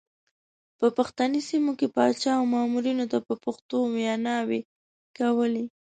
په پښتني سیمو کې پاچا او مامورینو ته په پښتو ویناوې کولې.